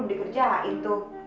seminggu juga gak keolah